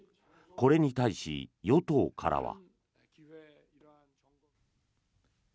これに対し、与党からは。